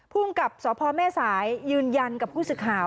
ภูมิกับสพแม่สายยืนยันกับผู้สื่อข่าว